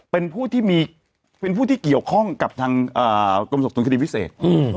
เป็นผู้ที่เกี่ยวข้องกับทางกรมศักดิ์ตุลพิธีพิเศษ